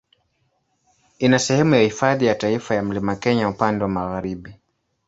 Ina sehemu ya Hifadhi ya Taifa ya Mlima Kenya upande wa magharibi.